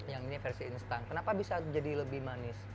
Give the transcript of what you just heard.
yang ini versi instan kenapa bisa jadi lebih manis